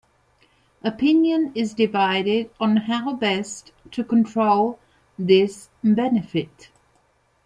Opinion is divided on how best to control this benefit.